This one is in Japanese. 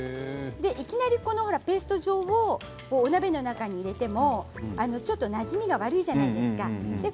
いきなりペースト状をお鍋の中に入れてもちょっとなじみが悪いじゃないですか。